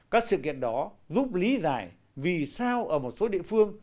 các sự kiện đó giúp lý giải vì sao ở một số địa phương